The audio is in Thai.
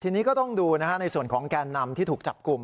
ทีนี้ก็ต้องดูในส่วนของแกนนำที่ถูกจับกลุ่ม